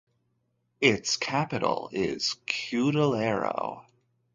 Its capital is Cudillero.